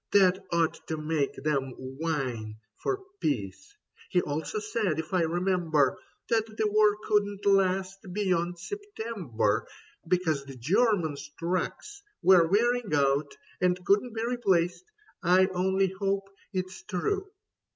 That ought to make them whine For peace. He also said, if I remember, That the war couldn't last beyond September, Because the Germans' trucks were wearing out And couldn't be replaced. I only hope It's true.